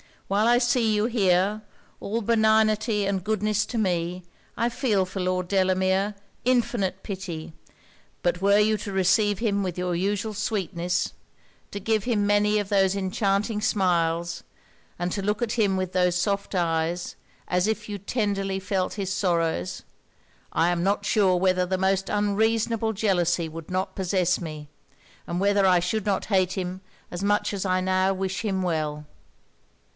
While I see you here, all benignity and goodness to me, I feel for Lord Delamere infinite pity; but were you to receive him with your usual sweetness, to give him many of those enchanting smiles, and to look at him with those soft eyes, as if you tenderly felt his sorrows, I am not sure whether the most unreasonable jealousy would not possess me, and whether I should not hate him as much as I now wish him well.'